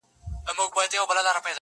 ستا د يادونو فلسفې ليكلي.